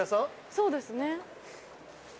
そうですね。